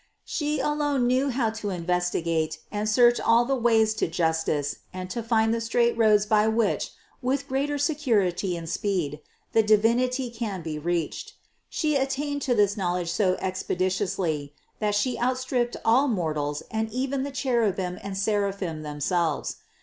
She alone knew how to investigate and search all the ways to justice and to find the straight roads by which with greater security and speed the Divinity can be THE CONCEPTION 607 reached. She attained to this knowledge so expedi tiously, that She outstripped all mortals and even the cherubim and seraphim themselves.